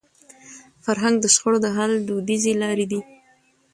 فرهنګ د شخړو د حل دودیزي لارې لري.